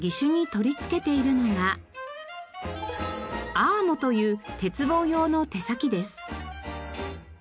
アーモという鉄棒用の手先です。